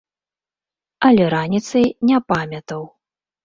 Але раніцай не памятаў.